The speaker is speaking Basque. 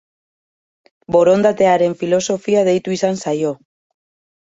Borondatearen filosofia deitu izan zaio.